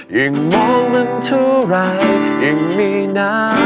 ยังมองมันเท่าไหร่ยังมีน้ำตา